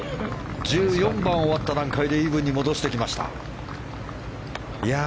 １４番が終わった段階でイーブンに戻してきました。